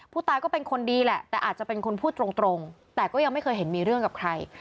ผู้ตายก็เป็นคนดีแหละแต่อาจจะเป็นคนพูดตรงแต่ก็ยังไม่เคยเห็นมีเรื่องกับใคร